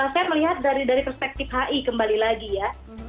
saya melihat dari perspektif hi kembali lagi ya